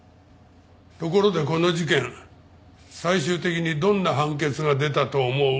ところでこの事件最終的にどんな判決が出たと思う？